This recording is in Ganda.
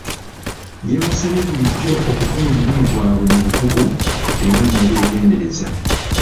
Yabasabye bulijjo okukola omulimu gwabwe mu bukugu era n'obwegendereza.